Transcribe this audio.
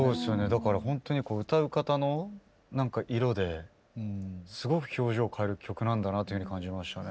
だからほんとに歌う方の色ですごく表情を変える曲なんだなというふうに感じましたね。